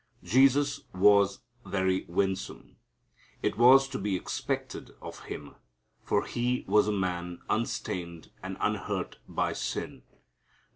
Jesus was very winsome. It was to be expected of Him, for He was a man unstained and unhurt by sin.